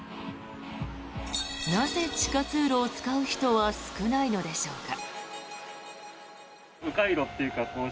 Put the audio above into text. なぜ、地下通路を使う人は少ないのでしょうか。